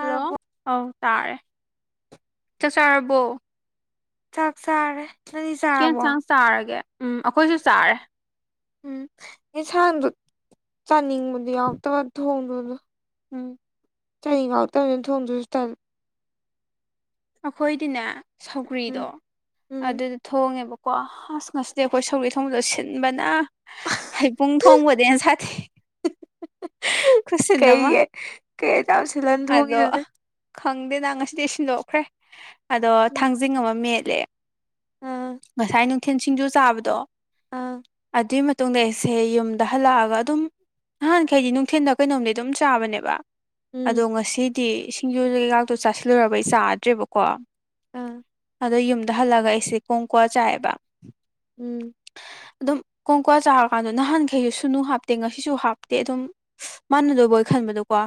hello ꯑꯧ ꯇꯥꯔꯦ ꯆꯠ ꯆꯔꯕꯣ ꯆꯥꯛ ꯆꯥꯔꯦ ꯅꯪꯗꯤ ꯆꯥꯔꯕꯣ ꯆꯦꯟꯁꯥꯡ ꯆꯥꯔꯒꯦ ꯎꯝ ꯑꯩꯈꯣꯏꯁꯨ ꯆꯥꯔꯦ ꯎꯝ ꯌꯦꯟꯁꯥꯡꯗꯣ ꯆꯥꯅꯤꯡꯕꯗꯨ ꯌꯥꯎꯗꯕ ꯊꯣꯡꯕꯗꯣ ꯎꯝ ꯆꯍꯤ ꯉꯥꯛꯇꯪ ꯑꯗꯨꯅ ꯊꯣꯡꯗꯨꯁꯨ ꯇꯜꯂꯤ ꯑꯩꯈꯣꯏꯗꯤꯅꯦ ꯁꯧꯒ꯭ꯔꯤꯗꯣ ꯎꯝ ꯎꯝ ꯑꯗꯨ ꯊꯣꯡꯉꯦꯕꯀꯣ ꯑꯁ ꯉꯁꯤꯗꯤ ꯑꯩꯈꯣꯏ ꯁꯧꯔꯤ ꯊꯣꯡꯕꯗ ꯁꯤꯟꯕꯅ ꯍꯩ ꯄꯨꯡ ꯊꯣꯡꯕꯗꯤꯩꯅ ꯁꯥꯊꯤ ꯑꯃ ꯀꯩꯒ ꯀꯩ ꯌꯥꯝ ꯁꯤꯍꯟ ꯊꯣꯡꯉꯤꯗꯅ ꯈꯪꯗꯦ ꯅ ꯉꯁꯤꯗꯤ ꯁꯤꯟꯗꯣꯛꯈ꯭ꯔꯦ ꯑꯗꯣ ꯎꯝ ꯊꯥꯡꯖꯤꯡ ꯑꯃ ꯃꯦꯠꯂꯦ ꯑꯥ ꯉꯁꯥꯏ ꯅꯨꯡꯊꯤꯜ ꯁꯤꯡꯖꯨ ꯆꯥꯕꯗꯣ ꯑꯥ ꯑꯗꯨꯒꯤ ꯃꯇꯨꯡꯗ ꯑꯩꯁꯦ ꯌꯨꯝꯗ ꯍꯜꯂꯛꯑꯒ ꯑꯗꯨꯝ ꯅꯍꯥꯟꯈꯩꯗꯤ ꯅꯨꯡꯊꯤꯤꯟꯗ ꯀꯩꯅꯣꯝꯗꯤ ꯑꯗꯨꯝ ꯆꯥꯕꯅꯦꯕ ꯎꯝ ꯑꯗꯣ ꯉꯁꯤꯗꯤ ꯁꯤꯡꯖꯨ ꯀꯩꯀꯥꯛꯇꯣ ꯆꯥꯁꯤꯜꯂꯨꯔꯕꯩ ꯆꯥꯗ꯭ꯔꯦꯕꯀꯣ ꯑꯥ ꯑꯗꯣ ꯌꯨꯝꯗ ꯍꯜꯂꯒ ꯑꯩꯁꯦ ꯀꯣꯡ ꯀꯣꯛ ꯆꯥꯏꯑꯕ ꯎꯝ ꯑꯗꯨꯝ ꯀꯣꯡꯀ꯭ꯋꯥ ꯆꯥꯔꯀꯥꯟꯗ ꯅꯍꯥꯟꯈꯩꯁꯨ ꯁꯨꯅꯨ ꯍꯥꯞꯇꯦ ꯉꯁꯤꯁꯨ ꯍꯥꯞꯇꯦ ꯑꯗꯨꯝ ꯃꯥꯟꯅꯗꯧꯕꯣꯏ ꯈꯟꯕꯗꯣ ꯀꯣ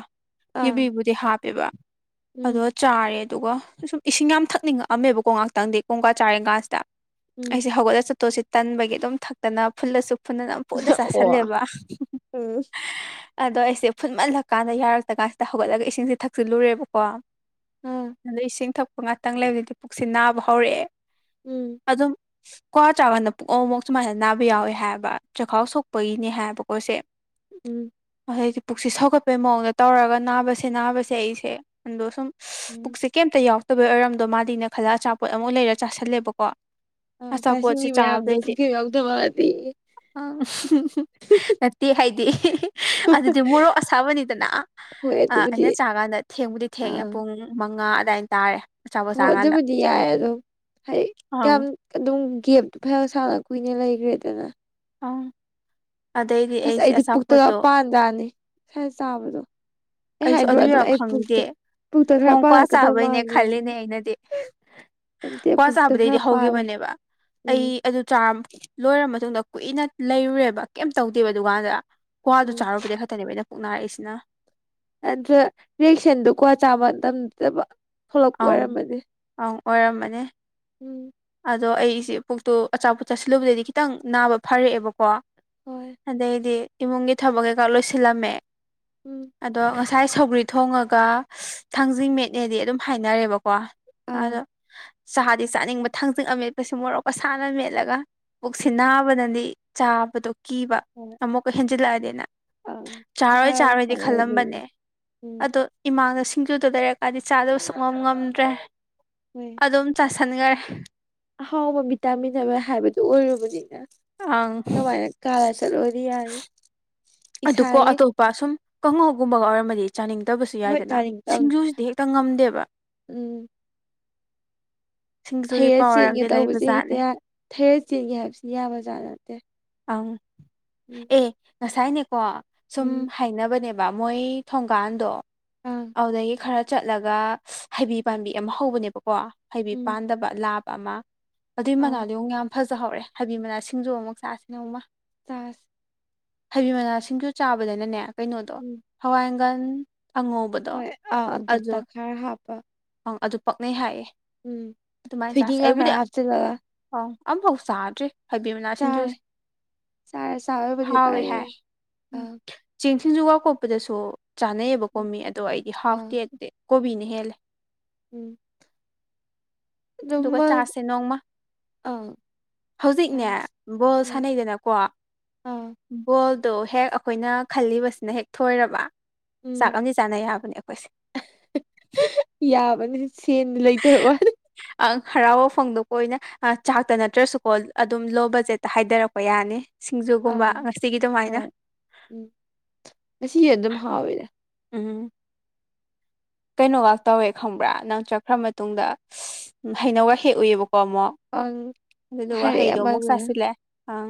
ꯑꯥ ꯌꯨꯕꯤꯕꯨꯗꯤ ꯍꯥꯞꯄꯦꯕ ꯑꯗꯣ ꯎꯝ ꯆꯥꯔꯦ ꯑꯗꯨꯒꯨꯝ ꯏꯁꯤꯡ ꯌꯥꯝ ꯊꯛꯅꯤꯡꯉꯛꯑꯝꯃꯦꯕꯀꯣ ꯉꯍꯥꯛꯇꯪꯗꯤ ꯀꯣꯡꯀꯥ ꯆꯥꯔꯦꯟꯀꯥꯟꯁꯤꯗ ꯎꯝ ꯑꯩꯁꯦ ꯍꯧꯒꯠꯂ ꯆꯠꯇꯣꯁꯤ ꯇꯟꯕꯒꯤ ꯑꯗꯨꯝ ꯊꯛꯇꯅ ꯐꯨꯜꯂꯁꯨ ꯐꯨꯜꯟꯅꯅ ꯄꯣꯠꯇ ꯑꯣ ꯆꯥꯁꯜꯂꯦꯕ ꯎꯝ ꯑꯗꯣ ꯑꯩꯁꯦ ꯐꯨꯠꯃꯜꯂꯀꯥꯟꯗ ꯌꯥꯔꯛꯇ ꯀꯥꯟꯁꯤꯗ ꯍꯧꯒꯠꯂꯒ ꯏꯁꯤꯡꯁꯦ ꯊꯛꯆꯤꯜꯂꯨꯔꯦꯕꯀꯣ ꯑꯥ ꯑꯗꯣ ꯏꯁꯤꯡ ꯊꯛꯄ ꯉꯥꯛꯇꯪ ꯂꯩꯕꯗꯨꯗꯤ ꯄꯨꯛꯁꯤ ꯅꯥꯕ ꯍꯧꯔꯛꯑꯦ ꯎꯝ ꯑꯗꯨ ꯑꯗꯨꯝ ꯀ꯭ꯋꯥ ꯆꯥꯛꯀꯥꯟꯗ ꯄꯨꯡ ꯑꯃꯨꯛ ꯁꯨꯃꯥꯏꯅ ꯅꯥꯕ ꯌꯥꯎꯋꯦ ꯍꯥꯏꯕ ꯆꯈꯥꯎ ꯁꯣꯛꯄꯒꯤꯅꯦ ꯍꯥꯏꯕꯀꯣ ꯁꯦ ꯎꯝ ꯑꯗꯩꯗꯤ ꯄꯨꯛꯁ ꯁꯧꯒꯠꯄꯩ ꯃꯑꯣꯡꯗ ꯇꯧꯔꯒ ꯅꯥꯕꯁꯦ ꯅꯥꯕꯁꯦ ꯑꯩꯁꯦ ꯑꯗꯣ ꯁꯨꯝ ꯎꯝ ꯄꯨꯛꯁꯦ ꯀꯩꯝꯇ ꯌꯥꯎꯗꯕꯩ ꯑꯣꯏꯔꯝꯗꯣ ꯃꯥꯗꯤꯅ ꯈꯜꯂ ꯑꯆꯥꯄꯣꯠ ꯑꯃꯨꯛ ꯂꯩꯔ ꯆꯥꯥꯁꯜꯂꯦꯕꯀꯣ ꯑ ꯆꯥꯁꯤꯕꯗ ꯄꯨꯈꯔꯤ ꯌꯥꯎꯗꯕꯗꯤ ꯎ ꯅꯠꯇꯦ ꯍꯥꯏꯗꯤ ꯑꯗꯨꯗꯤ ꯃꯣꯔꯣꯛ ꯑꯁꯥꯕꯅꯤꯗꯅ ꯍꯣꯏ ꯑꯗꯨꯕꯨꯗꯤ ꯑꯩꯅ ꯆꯥꯀꯥꯟꯗ ꯊꯦꯡꯕꯨꯗꯤ ꯊꯦꯡꯉꯦ ꯑꯥ ꯄꯨꯡ ꯃꯉꯥ ꯑꯗꯨꯏꯅ ꯇꯥꯔꯦ ꯑꯆꯥꯄꯣꯠ ꯍꯣꯏ ꯆꯥꯀꯥꯟꯗ ꯑꯗꯨꯕꯨꯗꯤ ꯌꯥꯏ ꯑꯗꯣ ꯍꯥꯏꯗꯤ ꯑꯪ ꯌꯥꯝꯌꯥꯝ ꯑꯗꯨꯝ ꯒꯦꯞꯇꯣ ꯐꯔ ꯁꯥꯡꯅ ꯀꯨꯏꯅ ꯂꯩꯈ꯭ꯔꯦꯗꯅ ꯑꯪ ꯑꯗꯩꯗꯤ ꯑꯩꯁꯦ ꯑꯆꯥꯄꯣꯠꯇꯣ ꯌꯥꯅꯤ ꯁꯋꯥ ꯆꯥꯕꯗꯣ ꯑꯩ ꯑꯩꯁꯨ ꯍꯥꯏꯗ꯭ꯔꯣ ꯑꯗꯨ ꯑꯗꯨꯝ ꯌꯥꯔ ꯑꯩ ꯄꯨꯛꯇ ꯈꯪꯗꯦ ꯄꯨꯛꯇ ꯈꯔ ꯀꯣꯡ ꯀ꯭ꯋꯥ ꯄꯥꯜꯂꯛꯀꯗꯧ ꯆꯥꯕꯩꯅꯦ ꯃꯥꯜꯂꯦꯅ ꯈꯜꯂꯤꯅꯦ ꯑꯩꯅꯗꯤ ꯅꯠꯇꯦ ꯀ꯭ꯋꯥ ꯄꯨꯛꯇ ꯆꯥꯕꯗꯩꯗꯤ ꯈꯔ ꯄꯥꯜꯂꯦ ꯍꯧꯈꯤꯕꯅꯦꯕ ꯑꯩ ꯎꯝ ꯑꯗꯨ ꯆꯥꯔ ꯂꯣꯏꯔꯕ ꯃꯇꯨꯡꯗ ꯀꯨꯏꯅ ꯂꯩꯔꯨꯔꯦꯕ ꯀꯩꯝ ꯇꯧꯗꯦꯕ ꯗꯨꯀꯥꯟꯗ ꯀ꯭ꯋꯥꯗꯨ ꯎꯝ ꯆꯥꯔꯨꯕꯩ ꯈꯛꯇꯅꯦꯕ ꯑꯩꯅ ꯄꯨꯣꯛ ꯅꯥꯔꯛꯏꯁꯤꯅ ꯑꯗꯨ ꯔꯤꯌꯦꯁꯟꯗꯨꯣꯀꯣ ꯆꯥꯕ ꯃꯇꯝꯗꯕ ꯐꯂꯛꯄꯔꯦ ꯑꯪ ꯃꯥꯅꯤ ꯑꯪ ꯑꯣꯏꯔꯝꯃꯅꯤ ꯎꯝ ꯑꯗꯣ ꯑꯩꯁꯦ ꯄꯨꯛꯇꯣ ꯑꯆꯥꯄꯣꯠ ꯆꯠꯁꯤꯜꯂꯨꯕꯗꯗꯤ ꯈꯤꯇꯪ ꯅꯥꯕ ꯐꯔꯛꯑꯦꯕꯀꯣ ꯍꯣꯏ ꯑꯗꯩꯗꯤ ꯏꯃꯨꯡꯒꯤ ꯊꯕꯛ ꯀꯩꯀꯥ ꯂꯣꯏꯁꯤꯜꯂꯝꯃꯦ ꯎꯝ ꯑꯗꯣ ꯉꯁꯥꯏ ꯁꯧꯒ꯭ꯔꯤ ꯊꯣꯡꯉꯒ ꯊꯥꯡꯖꯤꯡ ꯃꯦꯠꯅꯦꯗꯤ ꯑꯗꯨꯝ ꯍꯥꯏꯅꯔꯦꯕꯀꯣ ꯑꯗꯣ ꯑꯥ ꯆꯍꯥꯗꯤ ꯆꯥꯅꯤꯡꯕ ꯊꯥꯡꯖꯤꯡ ꯑꯃ ꯃꯦꯠꯄꯁꯤꯦ ꯃꯣꯔꯣꯛꯀꯁꯥꯅ ꯃꯦꯠꯂꯒ ꯄꯨꯛꯁꯤ ꯎꯝ ꯅꯥꯕꯅꯗꯤ ꯆꯥꯕꯗꯣ ꯀꯤꯕ ꯍꯣꯏ ꯑꯃꯨꯛꯀ ꯍꯦꯟꯖꯤꯜꯂꯛꯑꯗꯤꯦꯅ ꯑꯥ ꯆꯥꯔꯣꯏ ꯉꯥꯔ ꯆꯥꯔꯣꯏꯗꯤ ꯃꯍꯥꯎ ꯑꯣꯏꯗꯣꯏꯅꯤ ꯈꯜꯂꯝꯕꯅꯦ ꯎꯝ ꯑꯗꯣ ꯏꯃꯥꯡꯗ ꯁꯤꯡꯖꯨꯗꯨ ꯂꯩꯔꯛꯀꯥꯟꯗꯤ ꯆꯥꯗꯕ ꯁꯨꯡꯉꯝ ꯉꯝꯗ꯭ꯔꯦ ꯍꯏ ꯑꯗꯨꯝ ꯆꯥꯁꯟꯈꯔꯦ ꯑꯍꯥꯎꯕ ꯚꯇꯥꯃꯤꯟ ꯑꯃ ꯍꯥꯏꯕꯗꯨꯣ ꯑꯣꯏꯔꯨꯕꯅꯤꯅ ꯑꯪ ꯀꯃꯥꯏꯅ ꯀꯂꯥ ꯆ ꯑꯣꯏꯔꯤ ꯌꯥꯗ ꯑꯗꯨꯀꯣ ꯑꯇꯣꯞꯄ ꯁꯨꯝ ꯀꯥꯡꯉꯧꯒꯨꯝꯕꯒ ꯑꯣꯏꯔꯝꯃꯗꯤ ꯆꯥꯅꯤꯡꯗꯕꯁꯨ ꯍꯣꯏ ꯌꯥꯏꯗꯅ ꯇꯥꯅꯤꯡ ꯇꯝꯅꯤ ꯁꯤꯡꯖꯨꯁꯤꯗꯤ ꯍꯦꯛꯇ ꯉꯝꯗꯦꯕ ꯎꯝ ꯁꯤꯡꯖꯨꯒꯤ ꯊꯩꯔꯠ ꯄꯋꯥꯔ ꯆꯦꯟꯒꯦ ꯑꯃꯗꯤ ꯇꯧꯕꯁꯦ ꯂꯩꯕꯖꯥꯠꯅꯦ ꯍꯦꯛꯇ ꯊꯔꯠ ꯆꯦꯟꯒꯦ ꯍꯥꯏꯕꯁꯤꯅ ꯌꯥꯕ ꯖꯥꯠ ꯅꯠꯇꯦ ꯑꯪ ꯎꯝ ꯑꯦ ꯉꯁꯥꯏꯅꯦꯀꯣ ꯁꯨꯝ ꯎꯝ ꯍꯥꯏꯅꯕꯅꯦꯕ ꯃꯣꯏ ꯊꯣꯡꯒꯥꯟꯗꯣ ꯑꯥ ꯑꯗꯨꯗꯒꯤ ꯈꯔ ꯆꯠꯂꯒ ꯍꯩꯕꯤ ꯄꯥꯝꯕꯤ ꯑꯃ ꯍꯧꯕꯅꯦꯕꯀꯣ ꯍꯩꯕꯤ ꯎꯝ ꯄꯥꯟꯗꯕ ꯂꯥꯞ ꯑꯃ ꯑꯗꯨꯏ ꯑꯥꯎ ꯃꯅꯥꯎꯗ ꯑꯃꯨꯛ ꯌꯥꯝ ꯐꯖꯍꯧꯔꯦ ꯍꯥꯏꯕꯤ ꯃꯅꯥ ꯁꯤꯡꯖꯨ ꯑꯃꯨꯛ ꯆꯥꯁꯤꯅꯦꯨꯃ ꯆꯥꯁ ꯍꯩꯕꯤ ꯃꯅꯥꯁꯤꯡꯁꯨ ꯆꯥꯕꯗꯅꯅꯦ ꯀꯩꯅꯣꯗꯣ ꯎꯝ ꯍꯋꯥꯏꯒꯜ ꯑꯉꯧꯕꯗ ꯍꯣꯏ ꯑ ꯑꯗꯨ ꯇ ꯈꯥꯔ ꯍꯥꯞꯄ ꯑꯪ ꯑꯗꯨ ꯄꯛꯅꯩ ꯍꯥꯏꯌꯦ ꯎꯝ ꯊꯣꯏꯗꯤꯡꯒ ꯈꯔ ꯍꯥꯞꯆꯤꯜꯂꯒ ꯑ ꯑꯝꯐꯥꯎ ꯆꯥꯗ꯭ꯔꯤ ꯍꯥꯏꯕꯤ ꯃꯅꯥ ꯆꯥꯔꯦ ꯁꯤꯡꯖꯨꯁꯦ ꯆꯥꯔ ꯆꯥꯕꯕꯨꯗꯤ ꯍꯥꯎꯋꯦ ꯍꯥꯏ ꯄꯔꯦꯡ ꯎꯝ ꯑꯥ ꯆꯦꯡ ꯊꯁꯤꯡꯖꯨ ꯋꯥ ꯀꯣꯠꯄꯗꯁꯨ ꯆꯥꯅꯩꯑꯕꯀꯣ ꯎꯝ ꯃꯤ ꯑꯗꯣ ꯑꯩꯗꯤ ꯍꯥꯐ ꯑꯥ ꯗꯦ ꯑꯗꯨꯗꯤ ꯀꯣꯕꯤꯅꯤ ꯍꯦꯜꯂꯦ ꯎꯝ ꯑꯗꯨꯒ ꯑꯗꯨꯃ ꯆꯥꯁꯦ ꯅꯣꯡꯃ ꯑꯥ ꯍꯧꯖꯤꯛꯅꯦ ꯆꯥꯁ ꯕꯣꯜ ꯎꯝ ꯁꯥꯟꯅꯩꯗꯅꯀꯣ ꯑꯥ ꯕꯣꯜꯗꯣ ꯍꯦꯛ ꯑꯩꯈꯣꯏꯅ ꯈꯜꯂꯤꯕꯁꯤꯅ ꯍꯦꯛ ꯊꯣꯏꯔꯕ ꯎꯝ ꯆꯥꯛ ꯑꯃꯗꯤ ꯆꯥꯅꯩ ꯌꯥꯕꯅꯦ ꯑꯩꯈꯣꯏꯁꯦ ꯌꯥꯕꯅꯤ ꯁꯦꯟ ꯂꯩꯇꯕ ꯋꯥꯅꯤ ꯑꯪ ꯍꯔꯥꯎꯕ ꯐꯪꯗꯣꯛꯄ ꯑꯣꯏꯅ ꯆꯥꯛꯇ ꯅꯠꯇ꯭ꯔꯁꯨꯀꯣ ꯑꯗꯨꯝ ꯂꯣ ꯕꯖꯦꯠꯇ ꯍꯥꯏꯊꯔꯛꯄ ꯌꯥꯅꯤ ꯁꯤꯡꯖꯨꯒꯨꯝꯕ ꯑꯥ ꯉꯁꯤꯒꯤ ꯑꯗꯨꯃꯥꯏꯅ ꯍꯣꯏ ꯎꯝ ꯉꯁꯤ ꯑꯗꯨꯝ ꯍꯥꯎꯋꯤꯗ ꯎꯝ ꯀꯩꯅꯣꯒꯥꯛ ꯇꯧꯋꯦ ꯈꯪꯕ꯭ꯔꯥ ꯅꯪ ꯆꯠꯈ꯭ꯔ ꯃꯇꯨꯡꯗ ꯍꯩꯅꯧꯒ ꯍꯦꯛꯎꯏꯑꯕꯀꯣ ꯑꯃꯨꯛ ꯑꯪ ꯑꯗꯨꯗꯨꯒ ꯍꯥꯏꯔꯛꯑꯦ ꯍꯩꯗꯣ ꯑꯃꯨꯛ ꯑꯃꯗꯨꯅ ꯆꯥꯁꯤꯜꯂꯦ ꯑꯪ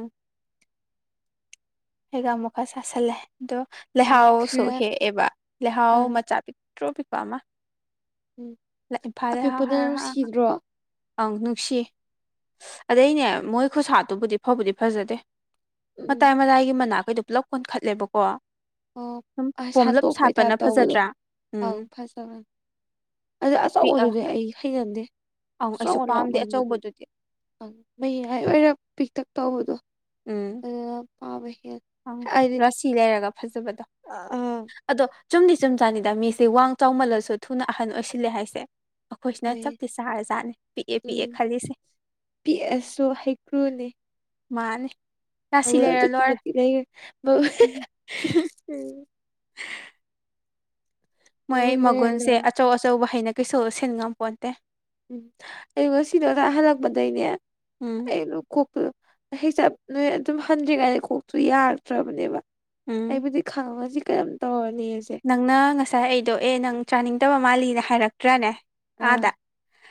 ꯍꯦꯒꯥꯝꯃꯣꯛ ꯈ ꯆꯥꯁꯜꯂꯦꯗꯣ ꯎꯝ ꯂꯩꯍꯥꯎꯁꯨ ꯈꯔ ꯍꯦꯛꯑꯦꯕ ꯂꯩꯍꯥꯎ ꯑꯪ ꯃꯆꯥ ꯄꯤꯛꯇ꯭ꯔꯨ ꯄꯤꯛꯄ ꯑꯃ ꯎꯝ ꯏꯝꯐꯥꯜ ꯑꯄꯤꯛꯄꯗ [inaudible] ꯅꯨꯡꯁꯤꯗ꯭ꯔꯣ ꯑꯪ ꯅꯨꯡꯁꯤꯌꯦ ꯑꯗꯩꯅꯦ ꯃꯣꯏ ꯈꯨꯁꯥꯠꯇꯨꯕꯨꯗꯤ ꯐꯥꯕꯨꯗꯤ ꯐꯖꯗꯦ ꯎꯝ ꯃꯇꯥꯏ-ꯃꯇꯥꯏꯒꯤ ꯃꯅꯥꯛꯈꯩꯗꯣ ꯄꯨꯂꯞ ꯀ‌ꯣꯟꯈꯠꯂꯦꯕꯀꯣ ꯑꯣ ꯑꯁ ꯁꯥꯠꯇꯣꯛꯄꯩ ꯇꯥꯏꯞ ꯇꯧꯕꯗꯣ ꯐꯖꯗ꯭ꯔꯥ ꯎꯝ ꯑꯥꯎ ꯐꯖꯕꯅꯤ ꯑꯗꯨꯗ ꯄꯤꯛꯑ ꯑꯆꯧꯕꯗꯨꯗꯤ ꯑꯩ ꯍꯩꯩꯅꯗꯦ ꯑꯪ ꯑꯩꯁꯨ ꯆꯥꯎꯃꯟ ꯄꯥꯝꯗꯦ ꯂꯥꯛꯃꯟꯂ‌ꯦ ꯑꯗꯨꯗꯤ ꯑꯆꯧꯕꯗꯨꯗꯤ ꯃꯌꯥꯏ ꯑꯣꯏꯔꯞ ꯄꯤꯛꯇꯛ ꯇꯧꯕꯗꯣ ꯎꯝ ꯄꯥꯕ [inaudible] ꯑꯪ ꯔꯥꯁꯤ ꯂꯩꯔꯒ ꯐꯖꯕꯗꯣ ꯑꯥ ꯎꯪ ꯑꯗꯣ ꯆꯨꯝꯗꯤ ꯆꯨꯝꯖꯥꯅꯤꯗ ꯃꯤꯁꯦ ꯋꯥꯡ ꯆꯥꯎꯃꯜꯂꯁꯨ ꯊꯨꯅ ꯑꯍꯟ ꯑꯣꯏꯁꯤꯜꯂꯦ ꯍꯥꯏꯁꯦ ꯑꯩꯈꯣꯏꯁꯤꯅ ꯍꯣꯏ ꯆꯞꯇꯤ ꯆꯥꯔ ꯆꯖꯥꯠꯅꯦ ꯎꯝ ꯄꯤꯛꯑꯦ-ꯄꯤꯛꯑꯦ ꯈꯜꯂꯤꯁꯦ ꯄꯤꯛꯑꯁꯨ ꯍꯩꯀ꯭ꯔꯨꯅꯤ ꯃꯥꯅꯤ ꯔꯥꯁꯤ ꯂꯩꯔ ꯂ‌ꯣꯔ‌ꯦ [inaudible] ꯃꯣꯏ ꯑꯩ ꯃꯒꯨꯟ ꯂꯩꯔ ꯃꯒꯨꯟꯁꯦ ꯂꯣꯏꯔꯦ ꯑꯆꯧ-ꯑꯆꯧꯕ ꯍꯩꯅꯀꯩꯁꯨ ꯁꯤꯟꯉꯝꯄꯣꯟꯇꯦ ꯎꯝ ꯑꯩ ꯉꯁꯤꯗꯣ [inaudible] ꯍꯜꯂꯛꯄꯗꯩꯅꯦ ꯎꯝ ꯑꯩ ꯑꯗꯨꯝ ꯀꯣꯛꯇꯨ ꯑꯗꯨꯝ ꯍꯩ ꯆꯞ ꯅꯣꯏ ꯑꯗꯨꯝ ꯍꯟꯗ꯭ꯔꯤꯉꯩꯗ ꯀꯣꯛꯇꯨ ꯌꯥꯔꯛꯇ꯭ꯔꯕꯅꯦꯕ ꯎꯝ ꯑꯩꯕꯨꯗꯤ ꯈꯥꯡꯉꯁꯤ ꯀꯩꯅ‌ꯣꯝ ꯇꯧꯔꯅꯤꯑ‌ꯦꯁꯦ ꯅꯪꯅ ꯉꯁꯥꯏ ꯑꯩꯗꯣ ꯑꯦ ꯅꯪ ꯆꯥꯅꯤꯡꯗꯕ ꯃꯥꯜꯂꯤꯅ ꯍꯥꯏꯔꯛꯇ꯭ꯔꯥꯅꯦ ꯑꯥꯗ ꯑꯪ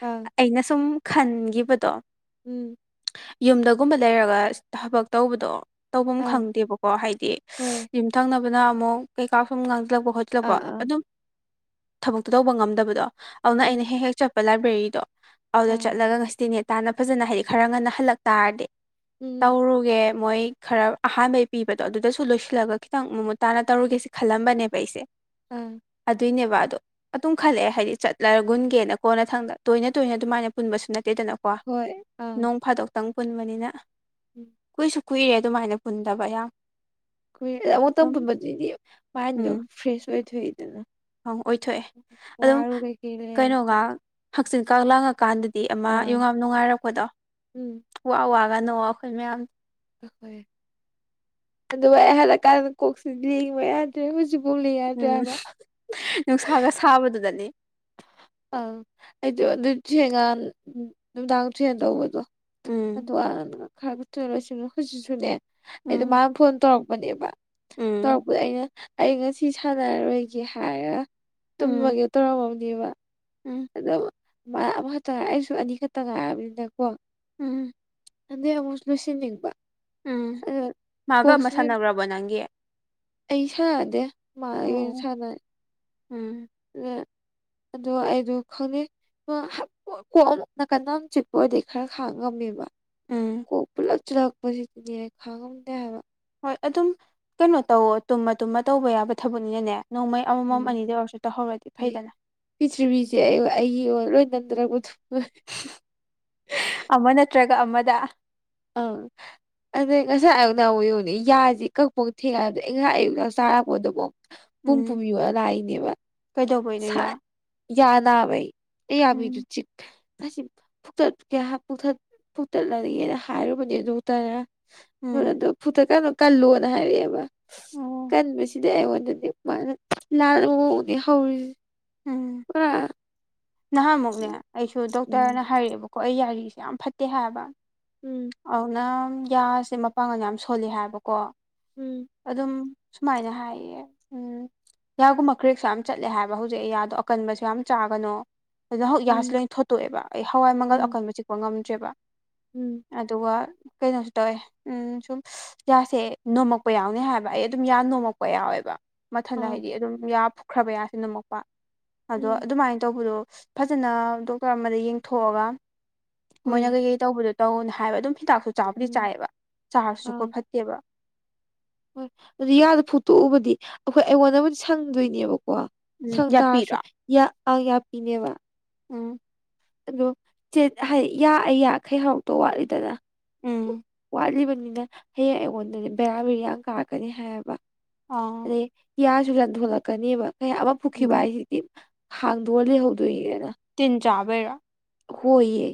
ꯑꯪ ꯑꯩꯅ ꯁꯨꯝ ꯈꯟꯒꯤꯕꯗꯣ ꯎꯝ ꯌꯨꯝꯗꯒꯨꯝꯕ ꯂꯩꯔꯒ ꯊꯕꯛ ꯇꯧꯕꯗꯣ ꯇꯐꯝ ꯑꯪ ꯈꯪꯗꯦꯕꯀꯣ ꯍꯥꯏꯗꯤ ꯍꯣꯏ ꯌꯨꯝꯊꯪꯅꯕꯅ ꯑꯃꯨꯛ ꯀꯩꯀꯥ ꯁꯨꯝ ꯉꯥꯡꯖꯤꯜꯂꯛꯄ ꯁꯤꯜꯂꯛꯄ ꯑꯥ ꯑꯥ ꯑꯗꯨꯝ ꯊꯕꯛꯇꯣ ꯇꯧꯕ ꯉꯝꯗꯕꯗꯣ ꯑꯗꯨꯅ ꯎꯝ ꯑꯩꯅ ꯍꯦꯛ-ꯍꯦꯛ ꯆꯠ ꯄ ꯂꯥꯏꯕ꯭ꯔꯦꯔꯤꯗꯣ ꯑꯗꯨꯗ ꯑꯪ ꯆꯠꯂꯒ ꯉꯁꯤꯇꯗꯤ ꯅꯦꯇꯥꯅ ꯐꯖꯅ ꯍꯩꯔ‌ꯦꯛ ꯈꯔ ꯉꯟꯅ ꯍꯜꯂꯛ ꯇꯥꯔꯗꯤ ꯎꯝ ꯇꯧꯔꯨꯒꯦ ꯃꯣꯏ ꯈꯔ ꯑꯍꯥꯟꯕꯩ ꯄꯤꯕꯗꯣ ꯑꯗꯨꯗꯁꯨ ꯂꯣꯏꯁꯤꯜꯂꯒ ꯈꯤꯇꯪ ꯃꯃꯨꯠ ꯇꯥꯅ ꯇꯧꯔꯨꯒꯦꯁ‌ꯦ ꯈꯜꯂꯝꯕꯅꯦꯕ ꯑꯩꯁꯦ ꯎꯝ ꯑꯗꯨꯏꯅꯦꯕ ꯑꯗꯣ ꯑꯗꯨꯝ ꯈꯜꯂꯛꯑꯦ ꯍꯥꯏꯗꯤ ꯆꯠꯂꯒꯨꯟꯒꯦꯅ ꯀꯣꯟꯅ ꯊꯪꯗ ꯇꯣꯏꯅ-ꯇꯣꯏꯅ ꯑꯗꯨꯃꯥꯏꯅ ꯄꯨꯟꯕꯁꯨ ꯅꯠꯇꯦꯗꯅ ꯀꯣ ꯍꯣꯏ ꯑꯪ ꯅꯣꯡ ꯐꯥꯗꯣꯛꯇꯪ ꯄꯨꯟꯕꯅꯤꯅ ꯎꯝ ꯀꯨꯏꯁꯨ ꯀꯨꯏꯔꯦ ꯑꯗꯨꯃꯥꯏꯅ ꯄꯨꯟꯗꯕ ꯌꯥꯝ ꯀꯨꯏꯔ‌ꯦ ꯑꯃꯨꯛꯇ ꯑꯗꯨꯝ ꯄꯨꯟꯕꯗꯨꯗꯤ ꯃꯥꯏꯟꯗꯣ ꯎꯝ ꯐ꯭ꯔꯦꯁ ꯑꯣꯏꯊꯣꯛꯏꯗꯅ ꯑꯣꯏꯊꯣꯛꯑꯦ ꯑꯗꯨꯝ ꯋꯥꯔꯨ ꯀꯩꯀꯩ ꯂꯩꯔꯁꯨ ꯀꯩꯅꯣꯒ ꯍꯛꯆꯤꯟ ꯀꯥꯡ ꯂꯥꯡꯉꯀꯥꯟꯗꯗꯤ ꯑꯃ ꯑꯥ ꯌꯨꯉꯥꯝ ꯅꯨꯡꯉꯥꯏꯔꯛꯄꯗꯣ ꯎꯝ ꯋꯥ-ꯋꯥꯒ ꯅ‌ꯣꯑꯒ ꯑꯩꯈꯣꯏ ꯃꯌꯥꯝ ꯑꯗꯨꯒ ꯑꯩ ꯍꯜꯂꯀꯥꯟꯗ ꯀꯣꯛꯆꯤꯛꯂꯤ ꯋ‌ꯦꯠ ꯗꯩ ꯍꯨꯖꯤꯛ ꯐꯥꯎ ꯂ‌ꯦꯡ ꯌꯥꯗ‍꯭ꯔ‌ꯦ ꯍꯥꯏꯕ ꯊꯥꯕꯗꯨꯗꯅꯤ ꯑꯪ ꯑꯩꯗꯨ ꯑꯗꯨ ꯊꯦꯡꯒꯥꯟ ꯅꯨꯃꯤꯗꯥꯡ ꯊ‌ꯦꯡꯅ ꯇꯧꯕꯗꯣ ꯎꯝ ꯑꯗꯨ‌ ꯑꯉꯥꯡꯗꯨꯅ ꯈꯔꯒ ꯊꯨꯅ ꯂꯣꯏꯁꯤꯟꯅ‌ꯨ ꯍꯧꯖꯤꯛꯁꯨꯅꯦ ꯑꯩꯗꯣ ꯎꯝ ꯃꯥꯅ ꯐꯣꯟ ꯇꯧꯔꯛꯄꯅꯦꯕ ꯎꯝ ꯇꯧꯔꯛꯄꯗ ꯑꯩꯅ ꯑꯩ ꯉꯁꯤ ꯁꯥꯟꯅꯔꯣꯏꯒꯦ ꯍꯥꯏꯔꯒ ꯎꯝ ꯇꯨꯝꯃꯒꯦ ꯇꯧꯔꯝꯃꯕꯅꯦꯕ ꯎꯝ ꯑꯗꯣ ꯑꯃꯈꯛꯇ ꯉꯥꯏ ꯑꯩꯁꯨ ꯑꯅꯤꯈꯛꯇ ꯉꯥꯏꯑꯔꯕꯅꯤꯅ ꯀꯣ ꯎꯝ ꯑꯗꯩ ꯑꯃꯨꯛ ꯂꯣꯏꯁꯤꯟꯅꯤꯡꯕ ꯎꯝ ꯑꯗꯨ ꯃꯥꯒ ꯑꯃ ꯀꯣꯛꯁꯤꯅ ꯁꯥꯟꯅꯈ꯭ꯔꯕꯣ ꯅꯪꯒꯤ ꯑꯩ ꯁꯥꯥꯟꯗꯦ ꯃꯥ ꯑꯣꯏꯅ ꯑꯣ ꯁꯥꯟꯅꯦ ꯎꯝ ꯑꯣ ꯑꯩꯗꯣ ꯈꯪꯅꯩ ꯀꯣꯛ ꯑꯃꯨꯛ ꯅꯥꯀꯟꯗ ꯑꯃꯨꯛ ꯆꯤꯛꯄ ꯑꯣꯏꯔꯗꯤ ꯈꯔ ꯈꯥꯡ ꯉꯝꯃꯦꯕ ꯎꯝ ꯀꯣꯛ ꯄꯨꯂꯞ ꯆꯜꯂꯛꯄꯁꯤꯗꯤ ꯈꯥꯡꯉꯝꯗꯦ ꯍꯥꯏꯕ ꯍꯣꯏ ꯑꯗꯨꯝ ꯀꯩꯅꯣ ꯇꯧ ꯇꯨꯝꯃ ꯇꯨꯝꯃ ꯇꯧꯕ ꯌꯥꯕ ꯊꯕꯛꯅꯤꯅꯅꯦ ꯅꯣꯡꯃꯩ ꯑꯃꯃꯝ ꯑꯅꯤꯗ ꯑꯣꯏꯔꯁꯨ ꯇꯧꯍꯧꯔꯗꯤ ꯐꯩꯗꯅ ꯄꯤꯔꯤꯊꯤꯔꯤꯕꯕꯤꯁꯦ ꯑꯩ ꯑꯩꯒꯤ ꯂꯣꯏ ꯅꯟꯊꯔꯛꯄ ꯑꯃ ꯅꯠꯇ꯭ꯔꯒ ꯑꯃꯗ ꯑ ꯑꯗꯩ ꯉꯁꯥꯏ ꯑꯌꯨꯛꯅꯥꯎꯌꯨꯅꯦ ꯌꯥꯁꯤꯦ ꯀꯛꯐꯧ ꯊꯦꯡꯉꯗ ꯑꯩ ꯉꯁꯥꯏ ꯑꯌꯨꯛꯅꯥ ꯆꯥꯔꯛꯄ ꯑꯗꯨꯐꯥꯎ ꯄꯨꯡ ꯄꯨꯝ ꯎꯝ ꯌꯕ ꯂꯥꯛꯏꯅꯦꯕ ꯀꯩꯗꯧꯕꯩꯅꯣ ꯌꯥ ꯌꯥꯅꯥ ꯥꯏ ꯑꯦ ꯎꯝ ꯌꯥꯝꯔꯨꯆꯛ ꯑꯁꯤ ꯐꯛꯇꯠ ꯀꯌꯥ ꯐꯨꯛꯇꯠꯂꯒꯒꯦꯅ ꯍꯥꯏꯔꯨꯕꯅꯦ ꯑꯗꯨ ꯎꯝ ꯇꯔꯗꯣ ꯐꯨꯠꯇꯀꯅꯣ ꯀꯜꯂꯣꯅ ꯍꯥꯏꯔꯛꯑꯦꯕ ꯑꯣ ꯀꯟꯕꯁꯤꯗꯤ ꯑꯩꯉꯣꯟꯗꯗꯤ ꯃꯥꯅ ꯂꯥꯟꯅꯕ ꯃꯑꯣꯡꯗꯤ ꯍꯧꯔꯤꯁꯦ ꯎꯝ ꯄꯨꯔꯥ ꯅꯍꯥꯟꯃꯨꯛꯅꯦ ꯑꯩꯁꯨ ꯎꯝ ꯗꯣꯛꯇꯔꯅ ꯍꯥꯏꯔꯛꯑꯦꯕꯀꯣ ꯑꯩ ꯌꯥꯔꯤꯁꯦ ꯌꯥꯝ ꯐꯠꯇꯦ ꯍꯥꯏꯕ ꯎꯝ ꯑꯗꯨꯅꯪ ꯌꯥꯁꯦ ꯃꯄꯥꯡꯒꯜ ꯌꯥꯝ ꯁꯣꯜꯂꯤ ꯍꯥꯏꯕꯀꯣ ꯎꯝ ꯑꯗꯨꯝ ꯁꯨꯃꯥꯏꯅ ꯍꯥꯏꯌꯦ ꯎꯝ ꯌꯥꯒꯨꯝꯕ ꯀ꯭ꯔꯦꯛꯁꯨ ꯌꯥꯝ ꯆꯠꯂꯦ ꯍꯥꯏꯕ ꯍꯧꯖꯤꯛ ꯑꯩ ꯌꯥꯗꯣ ꯑꯀꯟꯕꯁꯨ ꯌꯥꯝ ꯆꯥꯒꯅꯣ ꯑꯗꯨꯅ ꯍꯧꯛ ꯎꯝ ꯒꯁ ꯂꯣꯏ ꯊꯣꯠꯇꯣꯛꯑꯦꯕ ꯑꯩ ꯍꯋꯥꯏ ꯃꯪꯒꯜ ꯎꯝ ꯑꯀꯟꯕ ꯆꯤꯛꯄ ꯉꯝꯗ꯭ꯔꯦꯕ ꯎꯝ ꯑꯗꯨꯒ ꯀꯩꯅꯣꯁꯨ ꯇꯧꯋꯦ ꯁꯨꯝ ꯌꯥꯁꯦ ꯅꯣꯝꯃꯛꯄ ꯌꯥꯎꯅꯤ ꯍꯥꯏꯕ ꯑꯩ ꯑꯗꯨꯝ ꯌꯥ ꯅꯣꯝꯃꯛꯄ ꯌꯥꯎꯋꯦꯕ ꯃꯊꯟꯗ ꯑꯥ ꯍꯥꯏꯗꯤ ꯑꯗꯨꯝ ꯌꯥ ꯐꯨꯈ꯭ꯔꯕ ꯌꯥꯁꯦ ꯅꯝꯃꯛꯄ ꯑꯗꯣ ꯎꯝ ꯑꯗꯨꯃꯥꯏꯅ ꯇꯧꯕꯗꯣ ꯐꯖꯅ ꯗꯣꯛꯇꯔ ꯑꯃꯗ ꯌꯦꯡꯊꯣꯛꯑꯒ ꯍꯣꯏ ꯃꯣꯏꯅ ꯀꯩꯀꯩ ꯇꯧꯕꯗꯣ ꯇꯧꯅ ꯍꯥꯏꯕ ꯑꯗꯨꯝ ꯍꯤꯗꯥꯛꯁꯨ ꯆꯥꯕꯨꯗꯤ ꯎꯝ ꯆꯥꯏꯑꯕ ꯆꯥꯔꯁꯨ ꯑꯥ ꯆꯨꯄ ꯐꯠꯇꯦꯕ ꯍꯣꯏ ꯑꯗꯨ ꯌꯥꯗ ꯐꯨꯛꯇꯣꯛꯎꯕꯗꯤ ꯑꯩꯈꯣꯏ ꯑꯩꯉꯣꯟꯗꯕꯨꯗꯤ ꯁꯪꯗꯣꯏꯅꯦꯕꯀꯣ ꯎꯝ ꯁꯪꯗꯔꯁꯨ ꯌꯥꯄꯤꯔꯣ ꯌꯥ ꯑ ꯄꯤꯅꯦꯕ ꯎꯝ ꯑꯗꯣ ꯍꯥꯏꯗꯤ ꯌꯥꯑ ꯌꯥꯈꯩ ꯍꯧꯔꯛꯇꯣ ꯋꯥꯠꯂꯤꯗꯅ ꯎꯝ ꯀꯠꯂꯤꯕꯅꯤꯅ ꯍꯌꯦꯡ ꯑꯩꯉꯣꯟꯗꯗꯤ ꯕꯦꯔꯥ ꯕꯤꯦꯔꯤꯌꯥ ꯀꯥꯔꯛꯀꯅꯤ ꯍꯥꯏꯌꯦꯕ ꯑꯥ ꯑꯗꯩ ꯀꯤꯌꯥꯁꯨ ꯂꯟꯊꯣꯂꯛꯀꯅꯦꯕ ꯀꯌꯥ ꯑꯃ ꯄꯨꯈꯤꯕ ꯎꯝ ꯍꯥꯏꯁꯤꯗꯤ ꯍꯥꯡꯗꯣꯔ ꯂꯩꯍꯧꯗꯣꯏꯁꯤꯗꯅ ꯇꯤꯟ ꯆꯥꯕꯩꯔꯥ ꯍꯣꯏꯌꯦ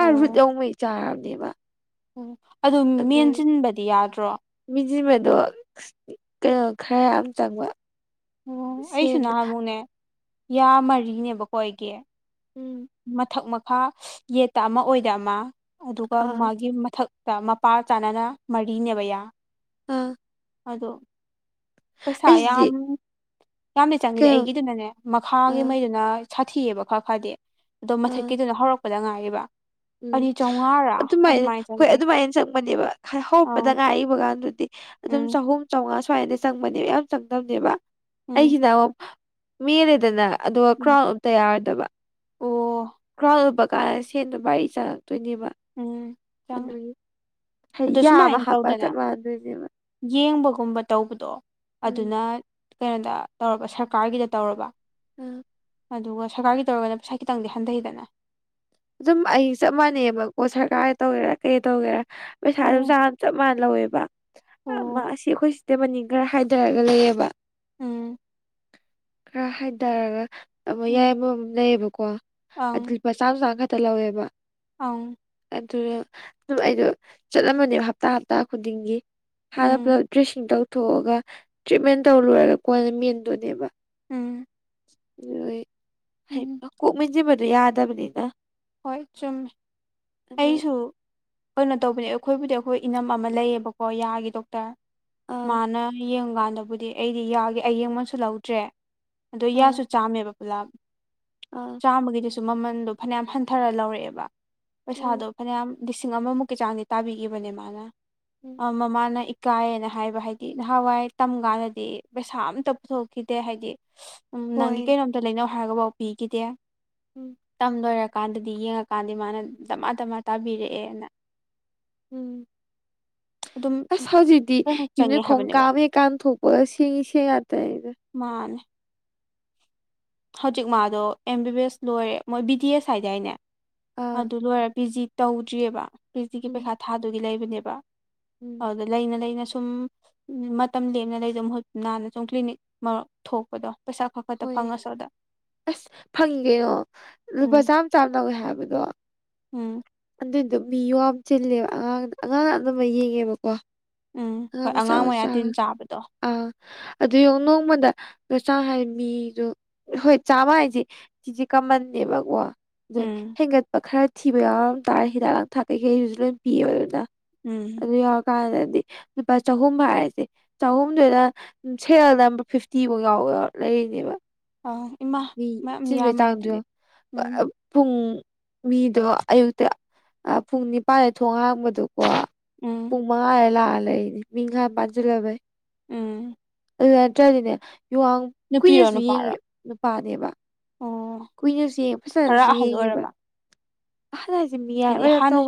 ꯑꯥ ꯔꯨꯠ ꯂꯧꯧꯉꯩ ꯆꯥꯔꯕꯅꯦꯕ ꯎꯝ ꯑꯗꯨ ꯃꯦꯟꯁꯤꯟꯕꯗꯤ ꯌꯥꯗ꯭ꯔꯣ ꯃꯤꯁꯤꯕꯗꯣ ꯀꯩꯅꯣ ꯈꯔ ꯌꯥꯝ ꯆꯪꯕ ꯑꯣ ꯑꯩꯁꯨ ꯁꯦꯟꯗꯣ ꯅꯍꯥꯟꯃꯨꯛꯅꯦ ꯌꯥ ꯃꯔꯤꯅꯦꯕꯀꯣ ꯑꯩꯒꯤ ꯎꯝ ꯃꯊꯛ ꯃꯈꯥ ꯌꯦꯠꯇ ꯑꯃ ꯑꯣꯏꯗꯕ ꯑꯃ ꯑꯗꯨꯒ ꯑꯥ ꯃꯥꯒꯤ ꯃꯊꯛ ꯃꯄꯥ ꯆꯥꯅꯅ ꯃꯔꯤꯅꯦꯕ ꯌꯥ ꯑꯥ ꯑꯗꯣ ꯄꯩꯁꯥ ꯑꯩꯁꯤꯗꯤ ꯌꯥꯝ ꯌꯥꯝꯗꯤ ꯆꯪꯉꯗꯦ ꯀꯩꯅꯣ ꯑꯩꯒꯤꯗꯨꯅꯅꯦ ꯑꯥ ꯃꯈꯥꯒꯤꯉꯩꯗꯨꯅ ꯁꯥꯊꯤꯑꯕ ꯈꯔ ꯈꯔꯗꯤ ꯑꯗꯣ ꯑꯥ ꯃꯊꯛꯀꯤꯗꯨꯅ ꯍꯧꯔꯛꯄꯗ ꯉꯥꯏꯔꯤꯕ ꯑꯅꯤ ꯎꯝ ꯆꯥꯝꯃꯉꯥꯔꯥ ꯑꯗꯨꯃꯥꯏꯅ ꯍꯣꯏ ꯆꯪꯒꯦ ꯑꯗꯨꯃꯥꯏꯅ ꯆꯪꯕꯅꯦꯕ ꯑꯧ ꯍꯧꯔꯛꯄꯗ ꯉꯥꯏꯕ ꯀꯥꯟꯗꯨꯗꯤ ꯑꯗꯨꯝ ꯎꯝ ꯆꯍꯨꯝ ꯆꯥꯝꯃꯉꯥ ꯁ꯭ꯋꯥꯏꯗ ꯆꯪꯕꯅꯦꯕ ꯌꯥꯝ ꯆꯪꯗꯝꯅꯦꯕ ꯎꯝ ꯑꯩꯁꯤꯅ ꯑꯃꯨꯛ ꯃꯦꯜꯂꯦꯗꯅ ꯑꯗꯨꯒ ꯎꯝ ꯀ꯭ꯔꯥꯎꯟ ꯎꯨꯞꯇꯇ ꯌꯥꯔꯣꯏꯗꯕ ꯑꯣ ꯒ꯭ꯔꯥꯎꯟ ꯂꯨꯕ ꯀꯥꯟꯗ ꯁꯦꯟꯗꯣ ꯕꯔꯤ ꯆꯪꯉꯛꯇꯣꯏꯅꯦꯕ ꯎꯝ ꯆꯪꯉꯦ ꯑꯗꯨꯒꯤꯍꯩ ꯑꯗꯣ ꯌꯥꯝꯃ ꯁꯨꯃꯥꯏꯅ ꯍꯥꯞꯄ ꯇꯧꯗꯅ ꯆꯞ ꯃꯥꯟꯅꯗꯣꯏꯅꯦꯕ ꯌꯦꯡꯕꯒꯨꯝꯕ ꯇꯧꯕꯗꯣ ꯎꯝ ꯑꯗꯨꯅ ꯀꯩꯅꯣꯗ ꯇꯧꯔꯕ ꯁꯔꯀꯥꯔꯒꯤꯗ ꯇꯧꯔꯕ ꯎꯝ ꯑꯗꯨꯒ ꯁꯔꯀꯥꯔꯒꯤ ꯇꯧꯔꯒꯅ ꯄꯩꯁꯥ ꯈꯤꯇꯪꯗꯤ ꯍꯟꯊꯩꯗꯅ ꯑꯗꯨꯝ ꯑꯩ ꯆꯞ ꯃꯥꯟꯅꯩꯕꯀꯣ ꯁꯔꯀꯥꯔ ꯇꯧꯒꯦꯔꯥ ꯀꯩ ꯇꯧꯒꯦꯔꯥ ꯄꯩꯁꯥ ꯑꯗꯨꯝ ꯑꯣ ꯆꯥꯅ ꯆꯞ ꯃꯥꯟꯅ ꯂꯧꯋꯦꯕ ꯃꯥ ꯑꯣ ꯑꯁꯤ ꯑꯩꯈꯣꯏ ꯁꯤꯇꯦ ꯃꯅꯤꯡ ꯈꯔ ꯍꯥꯏꯊꯔꯒ ꯂꯩꯑꯕ ꯎꯝ ꯈꯔ ꯍꯥꯏꯊꯔꯒ ꯑꯃ ꯌꯥꯏ ꯎꯝ ꯑꯃꯃꯝ ꯂꯩꯌꯦꯕꯀꯣ ꯑꯗꯨ ꯂꯨꯄꯥ ꯆꯥꯝ ꯆꯥꯝ ꯈ ꯇ ꯂꯧꯋꯦꯕ ꯑꯥꯎ ꯑꯗꯨ ꯑꯗꯨꯝ ꯑꯩꯗꯣ ꯆꯠꯂꯝꯃꯅꯦꯕ ꯍꯞꯇꯥ ꯍꯞꯇꯥ ꯈꯨꯗꯤꯡꯒꯤ ꯍꯥꯟꯅ ꯎꯝ ꯄꯨꯂꯞ ꯗ꯭ꯔꯦꯁꯤꯡ ꯇꯧꯊꯣꯛꯑꯒ ꯇ꯭ꯔꯤꯠꯃꯦꯟ ꯇꯧ ꯂꯣꯢꯔꯒ ꯀꯣꯅ ꯃꯦꯟꯗꯧꯏꯅꯦꯕ ꯎꯝ ꯍꯣꯏ ꯎꯝ ꯀꯣꯛ ꯃꯦꯟꯁꯤꯟꯕꯗꯨ ꯌꯥꯗꯕꯅꯤꯅ ꯍꯣꯏ ꯆꯨꯝꯃꯦ ꯑꯗꯨ ꯑꯩꯁꯨ ꯀꯩꯅꯣ ꯇꯧꯕꯅꯦ ꯑꯩꯈꯣꯏꯕꯨꯗꯤ ꯑꯩꯈꯣꯏ ꯏꯅꯝ ꯑꯃ ꯂꯩꯌꯦꯕꯀꯣ ꯌꯥꯒꯤ ꯗꯣꯛꯇꯔ ꯑꯥ ꯃꯥꯅ ꯌꯦꯡꯀꯥꯟꯗꯕꯨꯗꯤ ꯑꯩꯗꯤ ꯌꯥꯒꯤ ꯑꯌꯦꯡꯃꯟꯁꯨ ꯂꯧꯗ꯭ꯔꯦ ꯑꯗꯣ ꯑꯥ ꯌꯥꯁꯨ ꯆꯥꯝꯃꯦꯕ ꯄꯨꯂꯥꯞ ꯑꯥ ꯆꯥꯝꯃꯒꯤꯗꯨꯁꯨ ꯃꯃꯟꯗꯣ ꯐꯅꯌꯥꯝ ꯍꯟꯊ ꯊꯔ ꯂꯧꯔꯛꯑꯦꯕ ꯄꯩꯁꯥꯗꯣ ꯎꯝ ꯐꯅꯌꯥꯝ ꯂꯤꯁꯤꯡ ꯑꯃꯃꯨꯛꯀꯤ ꯆꯥꯡꯗꯤ ꯇꯥꯕꯤꯒꯤꯕꯅꯦ ꯃꯥꯅ ꯎꯝ ꯑ ꯃꯃꯥꯅ ꯢ ꯀꯥꯏꯑꯅ ꯍꯥꯏꯕ ꯍꯥꯏꯗꯤ ꯅꯍꯥꯟꯋꯥꯏ ꯇꯝ ꯀꯥꯟꯗꯗꯤ ꯄꯩꯁꯥ ꯑꯝꯇ ꯄꯨꯊꯣꯛꯈꯤꯗꯦ ꯍꯥꯏꯗꯤ ꯎꯝ ꯍꯣꯏ ꯅꯪꯒꯤ ꯀꯩꯅꯣꯝꯇ ꯂꯩꯅꯧ ꯍꯥꯏꯔꯒꯕꯥꯎ ꯄꯤꯈꯤꯗꯦ ꯎꯝ ꯇꯝ ꯂꯣꯏꯔꯀꯥꯟꯗꯗꯤ ꯌꯦꯡꯉꯀꯥꯟꯗꯤ ꯃꯥꯅ ꯗꯃꯥ ꯗꯝꯃꯥ ꯇꯥꯕꯤꯔꯛꯑꯦꯅ ꯎꯝ ꯑꯗꯨꯝ ꯑꯁ ꯍꯧꯖꯤꯛꯇꯤ ꯂꯣꯏꯅ ꯌꯨꯝꯗꯩ ꯆꯪꯉꯦ ꯈꯣꯡꯀꯥꯞ ꯍꯥꯏꯕꯅꯦꯕ ꯑꯃꯍꯦꯛ ꯀꯥꯟꯊꯣꯛꯄꯒ ꯁꯦꯟꯒꯤ ꯁꯦꯟ ꯌꯥꯛꯇꯅꯤꯗ ꯃꯥꯅꯦ ꯍꯧꯖꯤꯛ ꯃꯥꯗꯣ ꯑꯦꯝ ꯕꯤ ꯕꯤ ꯑꯦꯁ ꯂꯣꯏꯔꯦ ꯃꯣꯏ ꯕꯤ ꯗꯤ ꯑꯦꯁ ꯍꯥꯏꯗꯥꯢꯅꯦ ꯑꯥ ꯑꯗꯨ ꯂꯣꯏꯔꯦ ꯄꯤ ꯖꯤ ꯇꯧꯗ꯭ꯔꯤꯑꯕ ꯄ꯭ꯔꯤꯖꯤꯒꯤ ꯎꯝ ꯄꯩꯈꯥ ꯊꯥꯗꯨꯒꯤ ꯂꯩꯕꯅꯦꯕ ꯎꯝ ꯑꯗ ꯂꯩꯅ ꯂꯩꯅ ꯁꯨꯝ ꯎꯝ ꯃꯇꯝ ꯂꯦꯝꯅ ꯂꯩꯗꯨ ꯃꯍꯨꯠꯇꯨꯅ ꯁꯨꯝ ꯀ꯭ꯂꯤꯅꯤꯛ ꯃꯔꯛ ꯊꯣꯛꯄꯗꯣ ꯄꯩꯁꯥ ꯈꯔ ꯈꯛꯇ ꯍꯣꯏ ꯐꯪꯉꯁꯨ ꯑꯗ ꯑꯁ ꯐꯪꯉꯤ ꯀꯩꯅꯣ ꯂꯨꯄꯥ ꯎꯝ ꯆꯥꯝꯃ ꯆꯥꯝꯃ ꯂꯧꯑꯦ ꯍꯥꯏꯕꯗꯣ ꯎꯝ ꯑꯗꯨꯏꯗꯣ ꯃꯤ ꯌꯣꯑꯥꯝ ꯆꯤꯜꯂꯦꯕ ꯑꯉꯥꯡꯅ ꯑꯉꯥꯡꯅ ꯑꯗꯨꯝꯕ ꯌꯦꯡꯉꯦꯕꯀꯣ ꯎꯝ ꯑꯉꯥꯡ ꯍꯣꯏ ꯃꯆꯥ ꯃꯌꯥ ꯃꯆꯥ ꯇꯤꯟ ꯆꯥꯕꯗꯣ ꯑꯥ ꯑꯗꯨ ꯌꯣ ꯅꯣꯡꯃꯗ ꯉ ꯆꯥꯡ ꯍꯥꯏ ꯃꯤꯗꯣ ꯍꯣꯏ ꯆꯥꯃ ꯍꯥꯏꯁꯤ ꯆꯤꯖꯤ ꯀꯥꯃꯟꯅꯦꯕꯀꯣ ꯗꯣꯏ ꯎꯝ ꯍꯦꯟꯒꯠꯄ ꯈꯔ ꯊꯤꯕ ꯌꯥꯎꯔꯝ ꯇꯥꯔꯦ ꯍꯤꯗꯥꯛ ꯂꯥꯡꯊꯛ ꯀꯩꯀꯩꯗꯨꯁꯨ ꯂꯣꯏ ꯄꯤꯌꯦꯕ ꯑꯗꯨꯅ ꯎꯝ ꯑꯗꯨ ꯌꯧꯔꯀꯥꯟꯗꯗꯤ ꯂꯨꯄꯥ ꯆꯍꯨꯝ ꯍꯥꯏꯔꯁꯦ ꯆꯍꯨꯝꯗꯨꯗ ꯁꯦꯜꯗ ꯅꯝꯕ ꯐꯤꯐꯇꯤꯕꯥꯎ ꯌꯥꯎꯔ ꯂꯩꯔꯤꯅꯦꯕ ꯑ ꯏꯃꯥ ꯃꯤ ꯃꯌꯥꯝ ꯆꯤꯟꯕꯩ ꯌꯥꯝꯃꯦ ꯇꯥꯡꯗꯣ ꯑꯗꯨꯗꯤ ꯌꯦꯡꯎ ꯎꯝ ꯄꯔꯞ ꯄꯨꯡ ꯃꯤꯗꯣ ꯑꯌꯨꯛꯇ ꯑ ꯄꯨꯡ ꯅꯤꯄꯥꯟꯗ ꯊꯣꯡ ꯍꯥꯡꯕꯗꯣ ꯀꯣ ꯎꯝ ꯄꯨꯡ ꯃꯉꯥ ꯂꯥꯛꯑ ꯂꯩꯏꯅꯤ ꯃꯤꯡ ꯍꯥꯟꯅ ꯄꯥꯟꯖꯤꯜꯂꯕꯩ ꯎꯝ ꯑꯗꯨꯗ ꯅꯠꯇ꯭ꯔꯗꯤꯅꯦ ꯌꯣꯡꯌꯥꯝ ꯅꯨꯄꯤꯔꯣ ꯀꯨꯏꯅꯁꯨ ꯅꯨꯄꯥꯔꯣ ꯌꯦꯡꯉꯦ ꯅꯨꯄꯥꯅꯦꯕ ꯑꯣ ꯀꯨꯏꯅꯁꯨ ꯌꯦꯡ ꯈꯔ ꯐꯖꯅꯁꯨ ꯑꯍꯜ ꯌꯦꯡꯉꯦꯕ ꯑꯣꯏꯔꯕ ꯇꯤ ꯃꯤꯌꯥꯏ ꯍꯥꯏꯗꯤ ꯑꯣꯏꯔꯞ ꯍꯥꯟꯅ ꯇꯧꯕ